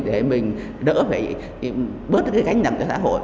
để mình đỡ phải bớt cái gánh nặng của xã hội